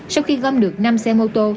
sau khi gom được năm xe mô tô